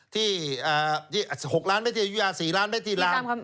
ที่๖ล้านเมตรที่ยุโรป๔ล้านเมตรที่ราม